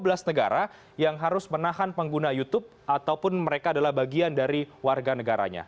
ada yang harus menahan pengguna youtube ataupun mereka adalah bagian dari warga negaranya